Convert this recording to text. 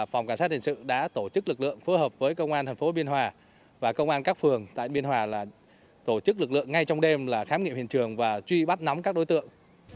phòng cảnh sát hình sự đã tổ chức lực lượng phối hợp với công an thành phố biên hòa và công an các phường tại biên hòa tổ chức lực lượng ngay trong đêm là khám nghiệm hiện trường và truy bắt nóng các đối tượng